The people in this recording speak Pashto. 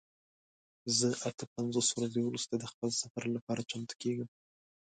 زه اته پنځوس ورځې وروسته د خپل سفر لپاره چمتو کیږم.